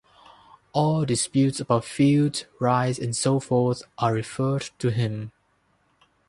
All disputes about fields, rice, and so forth are referred to him.